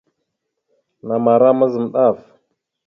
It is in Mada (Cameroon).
Namara mazam ɗaf.